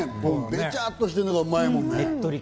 べちゃっとしてるのがうまいもんね。